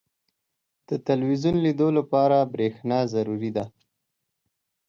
• د ټلویزیون لیدو لپاره برېښنا ضروري ده.